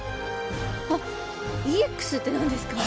あっ「ＥＸ」って何ですか？